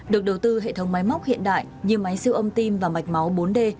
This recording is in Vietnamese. được đầu tư hệ thống máy móc hiện đại như máy siêu âm tim và mạch máu bốn d